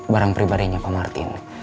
barang pribadainya pak martin